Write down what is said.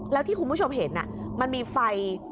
แล้วที่คุณผู้ชมเห็นมันมีไฟ